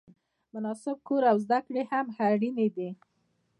مناسب کور او زده کړې هم اړینې دي.